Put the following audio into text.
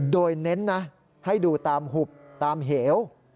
โดยเน้นนะให้ดูตามหุบตามเหว